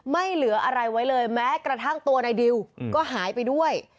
ไม่เหลืออะไรไว้เลยแม้กระทั่งตัวนายดิวก็หายไปด้วย